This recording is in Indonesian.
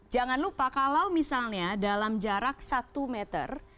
jangan lupa kalau misalnya dalam jarak satu meter